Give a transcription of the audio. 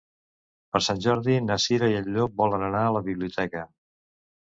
Per Sant Jordi na Cira i en Llop volen anar a la biblioteca.